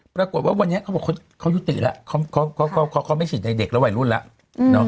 ปรากฏว่าวันนี้เขาหยุดติดแล้วเขาไม่ชินในเด็กแล้วไหวรุ่นแล้ว